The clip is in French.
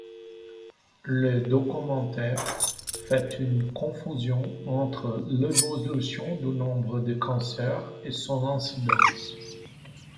Le documentaire fait une confusion entre l'évolution du nombre de cancers et son incidence.